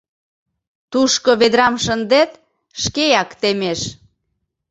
Тушко ведрам шындет, шкеак темеш.